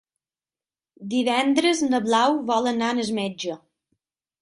Divendres na Blau vol anar al metge.